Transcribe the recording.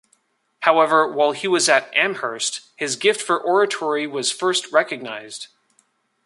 However, while he was at Amherst, his gift for oratory was first recognized.